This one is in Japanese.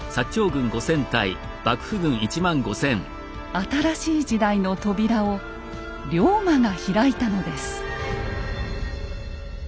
新しい時代の扉を龍馬が開いたのです。